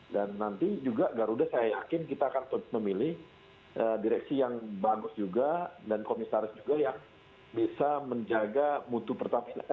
dan nanti juga garuda saya yakin kita akan memilih direksi yang bagus juga dan komisaris juga yang bisa menjaga mutu pertamina